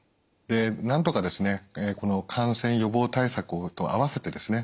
なんとかこの感染予防対策と併せてですね